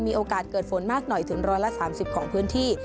มีโอกาสเกิดฝนมากหน่อยถึง๑๓๐ของพื้นที่